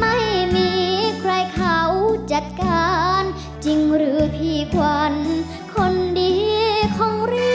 ไม่มีใครเขาจัดการจริงหรือพี่ขวัญคนดีของรี